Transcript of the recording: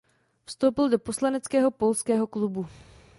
Vstoupil do poslaneckého Polského klubu.